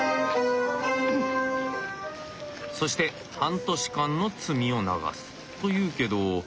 そして半年間の罪を流すというけど。